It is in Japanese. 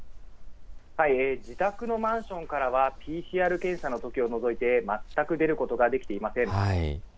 自宅のマンションからは、ＰＣＲ検査のときを除いて、全く出ることができていません。